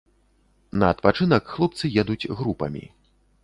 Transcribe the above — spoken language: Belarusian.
На адпачынак хлопцы едуць групамі.